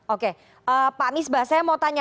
oke pak misbah saya mau tanya